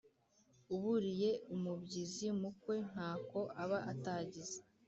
Uburiye umubyizi mu kwe ntako aba atagize.